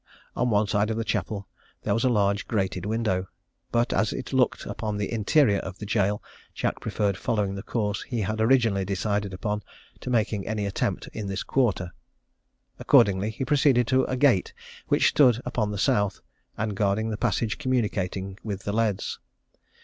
On one side of the chapel there was a large grated window, but, as it looked upon the interior of the gaol, Jack preferred following the course he had originally decided upon, to making any attempt in this quarter. Accordingly he proceeded to a gate which stood upon the south, and guarded the passage communicating with the leads.